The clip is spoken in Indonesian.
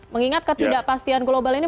mengingat ketidakpastian global ini